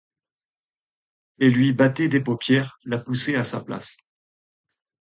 Et lui battait des paupières, la poussait à sa place.